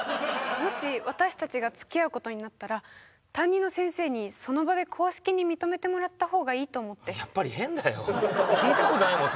もし私たちが付き合うことになったら担任の先生にその場で公式に認めてもらった方がいいと思ってやっぱり変だよ聞いたことないもん